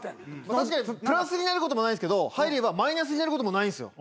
確かにプラスになることもないんすけど入ればマイナスになることもないんすよ。